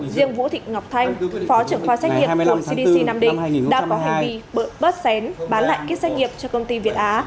riêng vũ thị ngọc thanh phó trưởng khoa xét nghiệp của cdc nam định đã có hành vi bớt xén bán lại kết xét nghiệp cho công ty việt á